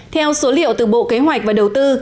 theo số liệu từ bộ kế hoạch và đầu tư